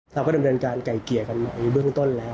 เราก็เรียนการไก่เกียร์กันมาในเบื้องต้นแล้ว